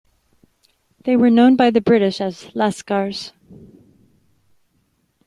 They were known by the British as "lascars".